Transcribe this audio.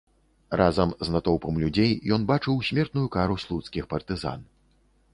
Разам з натоўпам людзей ён бачыў смертную кару слуцкіх партызан.